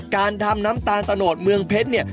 การทำน้ำตาลตะโนดเมืองเพชรเนี่ย